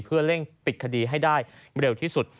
เพื่อเร่งปิดคดีให้ได้เร็วที่สุด